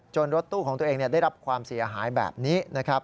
รถตู้ของตัวเองได้รับความเสียหายแบบนี้นะครับ